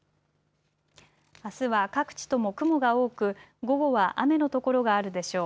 あすは各地とも雲が多く午後は雨の所があるでしょう。